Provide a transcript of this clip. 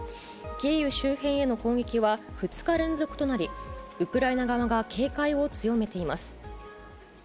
キーウ周辺への攻撃は２日連続となり、ウクライナ側が警戒を強めています。